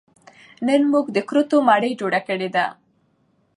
نن موږ د کورتو مړۍ جوړه کړې ده